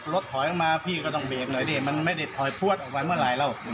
ถอยออกมาพี่ก็ต้องเบรกหน่อยดิมันไม่ได้ถอยพวดออกไปเมื่อไหร่แล้ว